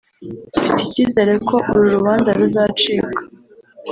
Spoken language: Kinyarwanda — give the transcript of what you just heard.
“Mfite icyizere ko uru rubanza ruzacibwa